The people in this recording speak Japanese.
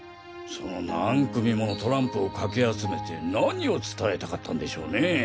その何組ものトランプをかき集めて何を伝えたかったんでしょうねぇ？